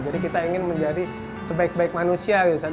jadi kita ingin menjadi sebaik baik manusia gitu